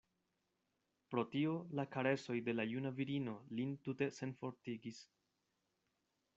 Pro tio la karesoj de la juna virino lin tute senfortigis.